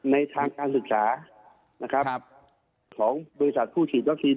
ในทางการศึกษานะครับของบริษัทผู้ฉีดวัคซีน